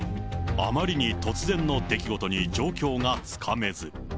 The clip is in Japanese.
あまりに突然の出来事に状況がつかめず。